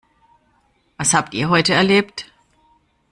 Was habt ihr heute erlebt?